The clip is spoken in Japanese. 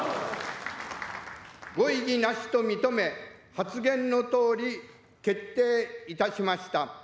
ご異議なしと認め、発言のとおり、決定いたしました。